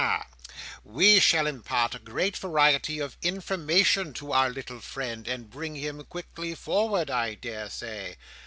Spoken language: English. Ha! We shall impart a great variety of information to our little friend, and bring him quickly forward, I daresay.